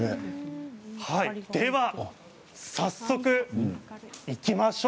では早速いきましょう。